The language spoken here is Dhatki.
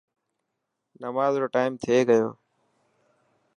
نماز رو ٽائيم ٿي گيو.